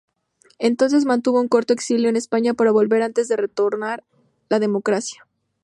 Entonces mantuvo un corto exilio en España para volver antes de retornar la democracia.